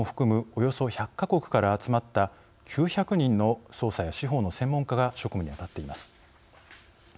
およそ１００か国から集まった９００人の捜査や司法の専門家が職務に当たっています。